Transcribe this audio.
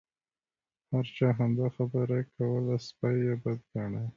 هر چا همدا خبره کوله سپي یې بد ګڼل.